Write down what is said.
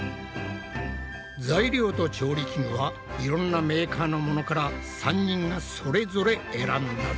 材料と調理器具はいろんなメーカーのものから３人がそれぞれ選んだぞ。